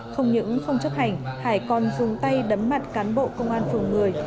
không những không chấp hành hải còn dùng tay đấm mặt cán bộ công an phường người